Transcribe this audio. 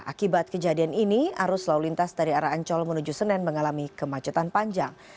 akibat kejadian ini arus lau lintas dari arahan colmenuju senen mengalami kemacetan panjang